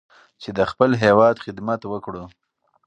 چې د خپل هېواد خدمت وکړو.